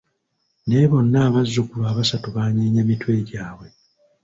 Naye bonna abazukulu abasaatu banyenya mitwe gyabwe.